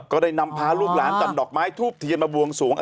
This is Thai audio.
ก็ได้นำพาลูกหลานจัดดอกไม้ทูบเทียนมาบวงสวง